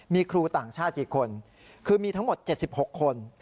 มีครูต่างชาติกี่คนคือมีทั้งหมด๗๖คน